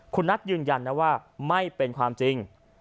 ก็ยังยันนะว่าไม่เป็นความจริง